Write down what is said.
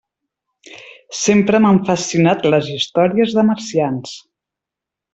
Sempre m'han fascinat les històries de marcians.